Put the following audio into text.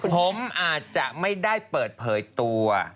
ผมอาจจะไม่ได้เปิดเผยตัว